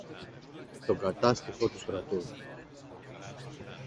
Το Κατάστιχο του Στρατού.